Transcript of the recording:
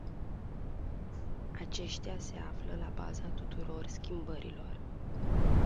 Aceștia se află la baza tuturor schimbărilor.